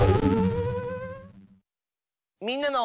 「みんなの」。